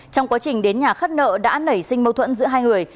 trong quá trình đến nhà khất nợ đã nảy sinh mâu thuẫn giữa hai người